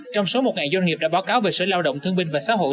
trong số một ngày doanh nghiệp đã báo cáo về sở lao động thương minh và xã hội